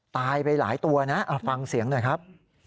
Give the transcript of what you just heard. ตายไปหลายตัวนะฟังเสียงหน่อยครับ